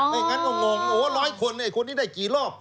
ไม่งั้นมองโอเลยตาย๑๐๐คนไอ้คนนี้ได้กีรอบ